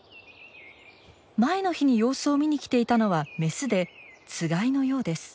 前の日に様子を見に来ていたのはメスでつがいのようです。